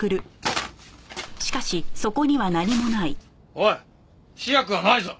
おい試薬がないぞ！